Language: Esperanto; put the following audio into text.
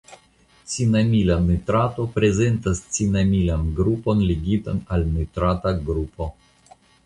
Cinamila nitrato prezentas cinamilan grupon ligitan al nitrata grupo.